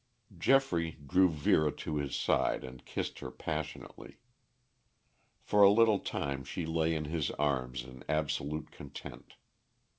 Geoffrey drew Vera to his side and kissed her passionately. For a little time she lay in his arms in absolute content.